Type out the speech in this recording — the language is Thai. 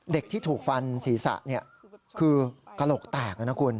เด็กที่ถูกฟันศีรษะคือกระโหลกแตกนะคุณ